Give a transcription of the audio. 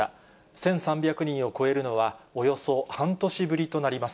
１３００人を超えるのはおよそ半年ぶりとなります。